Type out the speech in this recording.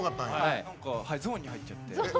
ゾーンに入っちゃって。